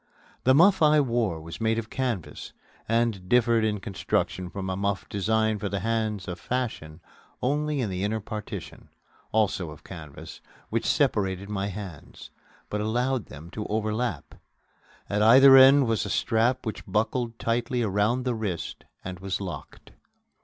The muff I wore was made of canvas, and differed in construction from a muff designed for the hands of fashion only in the inner partition, also of canvas, which separated my hands, but allowed them to overlap. At either end was a strap which buckled tightly around the wrist and was locked.